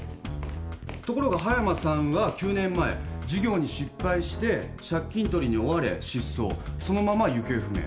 ところが葉山さんは９年前事業に失敗して借金取りに追われ失踪そのまま行方不明。